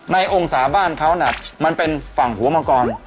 มองศาบ้านเขาน่ะมันเป็นฝั่งหัวมังกร